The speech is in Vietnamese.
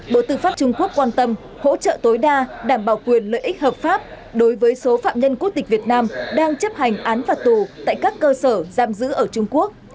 bộ tư pháp trung quốc quan tâm hỗ trợ tối đa đảm bảo quyền lợi ích hợp pháp đối với số phạm nhân quốc tịch việt nam đang chấp hành án phạt tù tại các cơ sở giam giữ ở trung quốc